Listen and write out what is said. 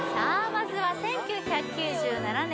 まずは１９９７年